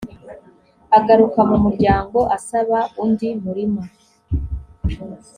agaruka mu muryango asaba undi murima